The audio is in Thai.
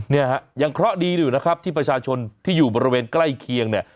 เนี่ยฮะยังเคราะห์ดีอยู่นะครับที่ประชาชนที่อยู่บริเวณใกล้เคียงเนี่ย